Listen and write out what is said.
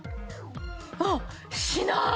ああしない！